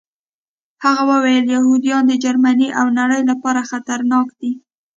هغه وویل یهودان د جرمني او نړۍ لپاره خطرناک دي